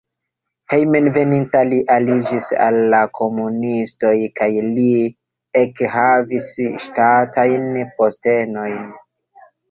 Hejmenveninta li aliĝis al la komunistoj kaj li ekhavis ŝtatajn postenojn.